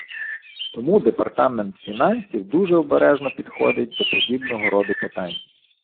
Тому Департамент фінансів дуже обережно підходить до подібного роду питань.